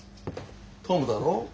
トムだろ。